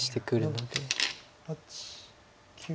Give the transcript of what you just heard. ８９。